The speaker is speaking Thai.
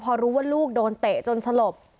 พอรู้ว่าลูกโดนเตะจนสลบ